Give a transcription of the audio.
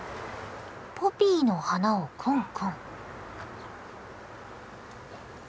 ポピーの花をクンクン。